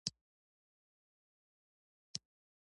چاکلېټ له زړونو خوښي راوباسي.